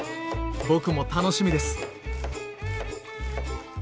僕も楽しみです！